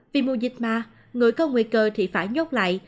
vì mù dịch ma người có nguy cơ thì phải nhốt lại